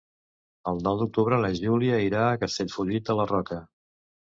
El nou d'octubre na Júlia irà a Castellfollit de la Roca.